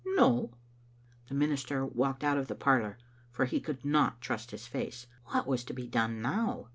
"No." The minister walked out of the parlour, for he could not trust his face. What was to be done now?